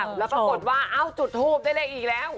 แล้วปรากฏว่าเอ้าจุดทูปได้เลขอีกแล้ว